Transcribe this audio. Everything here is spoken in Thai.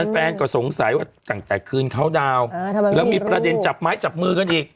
แฟนก็สงสัยว่าตั้งแต่คืนเขาดาวน์แล้วมีประเด็นจับไม้จับมือกันอีก